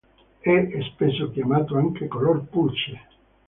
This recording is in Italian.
È spesso chiamato anche color pulce.